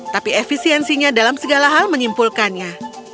tapi efisiensinya dalam segala hal menyimpulkannya